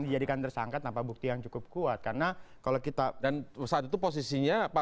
dijadikan tersangkat tanpa bukti yang cukup kuat karena kalau kita dan saat itu posisinya pak